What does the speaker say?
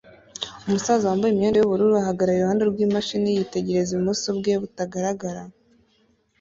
Umusaza wambaye imyenda yubururu ahagarara iruhande rwimashini yitegereza ibumoso bwe butagaragara